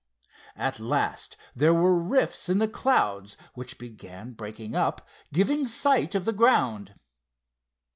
At last there were rifts in the clouds, which began breaking up, giving a sight of the ground.